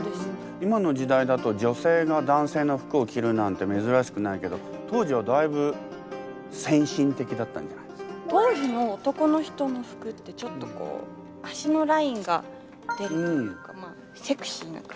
今の時代だと女性が男性の服を着るなんて珍しくないけど当時の男の人の服ってちょっとこう足のラインが出るというかまあセクシーな感じ？